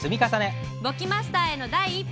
簿記マスターへの第一歩。